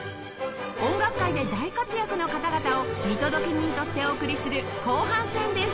音楽界で大活躍の方々を見届け人としてお送りする後半戦です